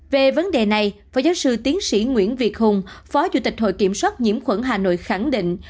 về vấn đề này phó giáo sư tiến sĩ nguyễn việt hùng phó chủ tịch hội kiểm soát nhiễm khuẩn hà nội khẳng định